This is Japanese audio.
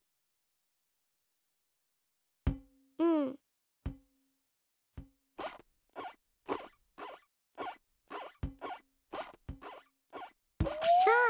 うん。あっ！